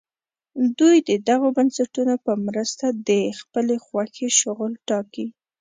دوی د دغو بنسټونو په مرسته د خپلې خوښې شغل ټاکي.